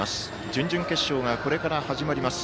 準々決勝がこれから始まります。